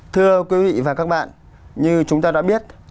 thưa quý vị và các bạn như chúng ta đã biết